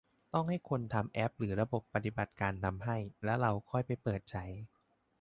ต้องให้คนทำแอปหรือระบบปฏิบัติการทำให้ แล้วเราค่อยไปเปิดใช้